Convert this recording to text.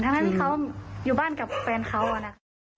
ทั้งที่เขาอยู่บ้านกับแฟนเขาอะนะคะ